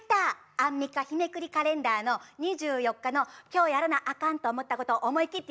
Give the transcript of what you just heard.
アンミカ日めくりカレンダーの２４日の「今日やらなあかんと思ったことを思い切ってやってみる」のポーズや。